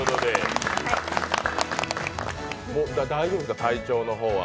大丈夫ですか、体調の方は？